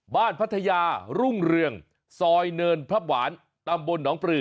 พัทยารุ่งเรืองซอยเนินพรับหวานตำบลหนองปลือ